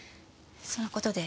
その事で。